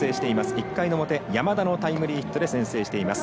１回の表、山田のタイムリーヒットで先制しています。